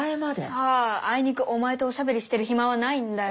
あああいにくお前とおしゃべりしてる暇はないんだよ。